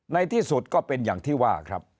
ในที่สุดก็เป็นอย่างที่ว่าครับ